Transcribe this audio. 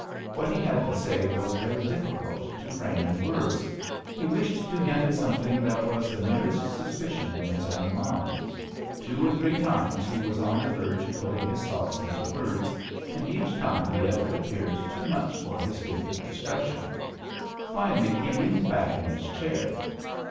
What he had to say was very difficult to frame in words. He wished to hint at something that was the merest suspicion in his own mind. Two or three times he was on the verge of putting his thoughts into words, and each time the effort appeared too much for his gift of expression. Finally he leaned back in his chair.